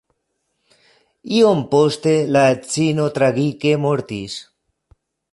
Iom poste la edzino tragike mortis.